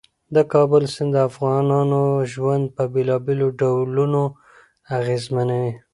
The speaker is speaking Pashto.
د کابل سیند د افغانانو ژوند په بېلابېلو ډولونو اغېزمنوي.